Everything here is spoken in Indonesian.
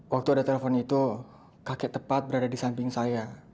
waktu ada telepon itu kakek tepat berada di samping saya